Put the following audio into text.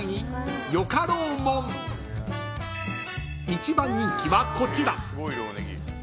［一番人気はこちら］